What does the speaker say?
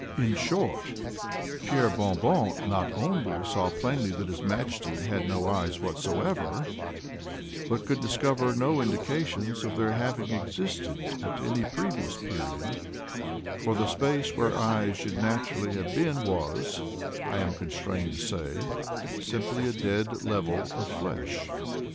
In short, Pierre Bon Bon not only saw plainly that his Majesty had no eyes whatsoever, but could discover no indications of their having existed at any previous period—for the space where eyes should naturally have been was, I am constrained to say, simply a dead level of flesh.